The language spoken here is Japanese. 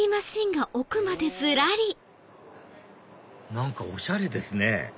何かおしゃれですね